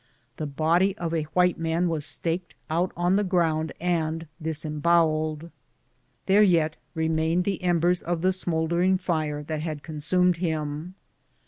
The body of a white man was staked out on the ground and disembowelled. There yet remained the embers of the smouldering fire that consumed him.